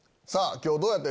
今日どうやった？